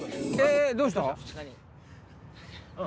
どうした？